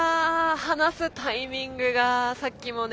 放すタイミングがさっきもね。